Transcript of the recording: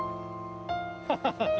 ハハハッ！